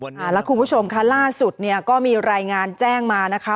แล้วคุณผู้ชมค่ะล่าสุดเนี่ยก็มีรายงานแจ้งมานะคะ